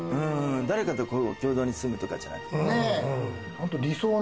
誰かと共同に住むとかじゃなくてね。